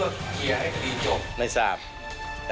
เพื่อเคลียร์ให้คดีจบ